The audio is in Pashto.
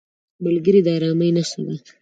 ملګری د ارامۍ نښه ده